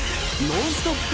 ノンストップ！